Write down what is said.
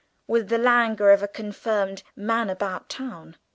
with the languor of a confirmed man about town.